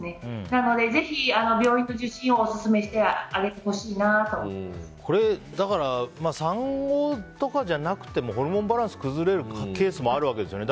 なので、ぜひ病院の受診をオススメしてあげてほしいとこれ、産後とかじゃなくてもホルモンバランスが崩れるケースもあるわけですよね。